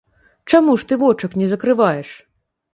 Чаму ж ты вочак не закрываеш?